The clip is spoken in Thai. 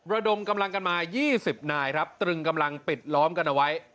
ระดมกำลังกันมา๒๐นายครับตรึงกำลังปิดล้อมกันเอาไว้